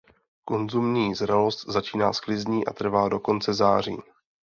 Konzumní zralost začíná sklizní a trvá do konce září.